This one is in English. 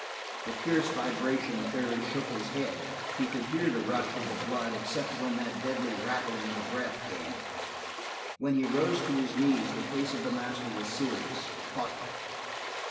The fierce vibration fairly shook his head; he could hear the rush of the blood except when that deadly rattling of the breath came. When he rose to his knees the face of the master was serious, thoughtful.